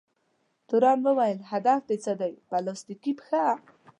تورن وویل: هدف دې څه دی؟ پلاستیکي پښه؟